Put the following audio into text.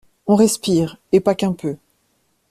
On respire et pas qu’un peu.